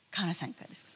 いかがですか？